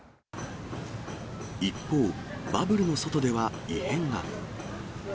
一方、バブルの外では異変が。